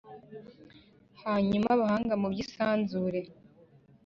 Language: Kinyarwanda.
hanyuma abahanga mu by’isanzure